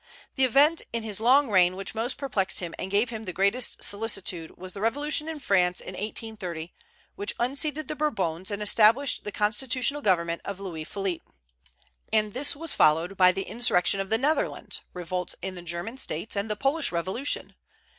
The event in his long reign which most perplexed him and gave him the greatest solicitude was the revolution in France in 1830, which unseated the Bourbons, and established the constitutional government of Louis Philippe; and this was followed by the insurrection of the Netherlands, revolts in the German States, and the Polish revolution.